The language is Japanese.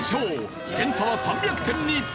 点差は３００点に。